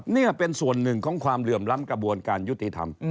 นี่เป็นส่วนหนึ่งของความเหลื่อมล้ำกระบวนการยุติธรรม